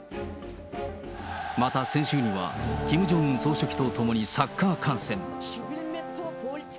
また先週には、キム・ジョンウン総書記と共にサッカー観戦。